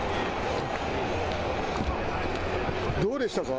どうでしたか？